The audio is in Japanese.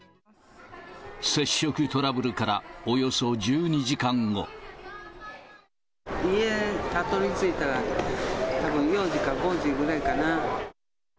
接触トラブルからおよそ１２家にたどりついたら、たぶん４時か５時ぐらいかな。